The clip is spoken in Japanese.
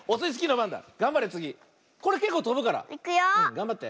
がんばって。